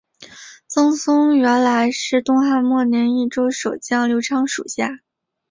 张松原来是东汉末年益州守将刘璋属下。